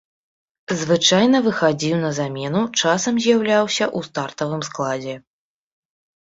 Звычайна выхадзіў на замену, часам з'яўляўся ў стартавым складзе.